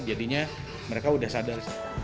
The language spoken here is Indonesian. jadinya mereka sudah sadar